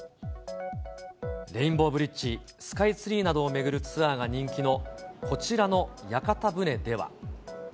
レインボーブリッジ、スカイツリーなどを巡るツアーが人気のこちらの屋形船では。